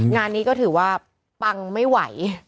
งานนี้ก็ถือว่าปังไม่ไหว